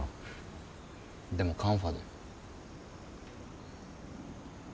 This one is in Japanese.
でもカンファで。